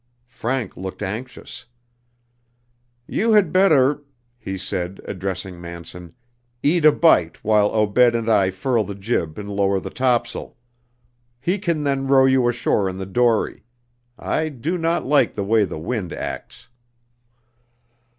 Frank looked anxious. "You had better," he said, addressing Manson, "eat a bite while Obed and I furl the jib and lower the tops'l. He can then row you ashore in the dory. I do not like the way the wind acts."